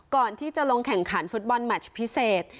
ก่อนที่จะลงแข่งขันฟุตบอลแมชพิเศษ